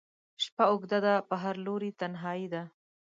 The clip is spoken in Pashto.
شپه اوږده ده په هر لوري تنهایي ده